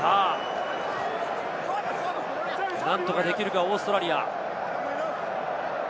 何とかできるか、オーストラリア。